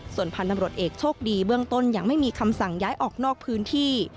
ส่วนพันธุ์ตำรวจเอกโชคดีเบื้องต้นยังไม่มีคำสั่งย้ายออกนอกพื้นที่